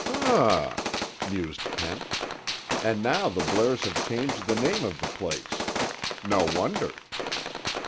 "Hum m," mused Kent. "And now the Blairs have changed the name of the place. No wonder."